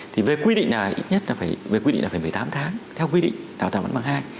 thì về quy định là ít nhất là phải về quy định là phải một mươi tám tháng theo quy định tàu thảo văn bằng hai